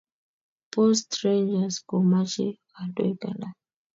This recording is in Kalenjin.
Post rangers ko mache kandoik alak